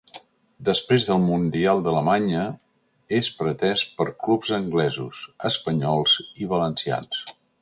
Després del Mundial d'Alemanya és pretés per clubs anglesos, espanyols i valencians.